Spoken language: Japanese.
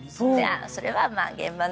それは、まあ現場の。